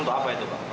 untuk apa itu